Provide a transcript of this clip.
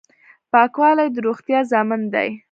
پاکوالی د روغتیا ضامن دی.